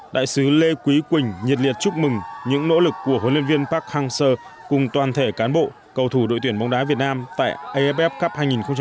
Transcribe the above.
đại sứ lê quý quỳnh nhiệt liệt chúc mừng những nỗ lực của huấn luyện viên park hang seo cùng toàn thể cán bộ cầu thủ đội tuyển bóng đá việt nam tại aff cup hai nghìn một mươi tám